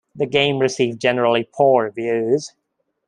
The game received generally poor reviews.